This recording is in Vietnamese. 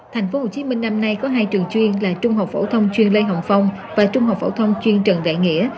tp hcm năm nay có hai trường chuyên là trung học phổ thông chuyên lê hồng phong và trung học phổ thông chuyên trần đại nghĩa